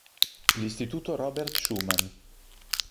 L'Istituto Robert Schuman.